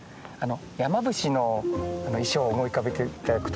山伏の衣装を思い浮かべて頂くと